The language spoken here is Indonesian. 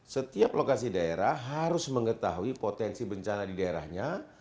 setiap lokasi daerah harus mengetahui potensi bencana di daerahnya